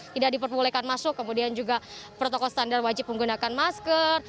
tidak diperbolehkan masuk kemudian juga protokol standar wajib menggunakan masker